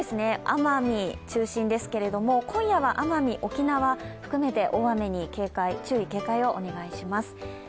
奄美中心ですけれども、今夜は奄美・沖縄含めて注意・警戒をお願いします。